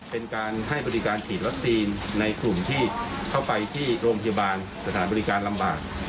เป็นการให้บริการฉีดวัคซีนในกลุ่มที่เข้าไปที่โรงพยาบาลสถานบริการลำบาก